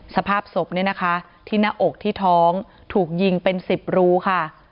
สภาพศพเนี่ยนะคะที่หน้าอกที่ท้องถูกยิงเป็น๑๐รูค่ะ